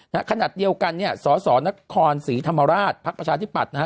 ขณะเดียวกันเนี่ยสสนครศรีธรรมราชภักดิ์ประชาธิปัตยนะฮะ